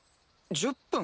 １０分？